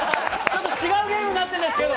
ちょっと違うゲームになってるんだけど。